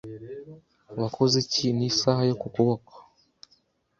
Wakoze iki nisaha yo kuboko?